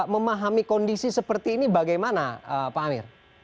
memahami kondisi seperti ini bagaimana pak amir